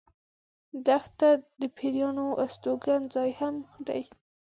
دښته د پېرانو استوګن ځای هم دی.